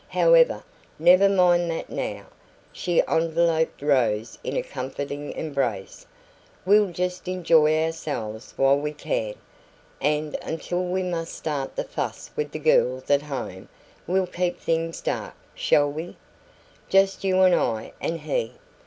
However, never mind that now." She enveloped Rose in a comforting embrace. "We'll just enjoy ourselves while we can. And until we MUST start the fuss with the girls at home, we'll keep things dark, shall we? Just you and I and he.